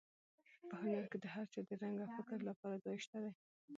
په هنر کې د هر چا د رنګ او فکر لپاره ځای شته دی.